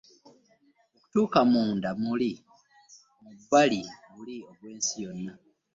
Okutuuka munda nga muli "omubbali' guli ogwensi yonna.